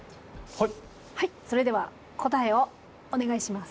はいそれでは答えをお願いします。